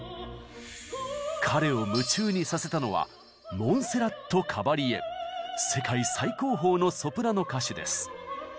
彼を夢中にさせたのは世界最高峰のソプラノ歌手です。